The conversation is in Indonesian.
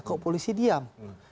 kok polisi diam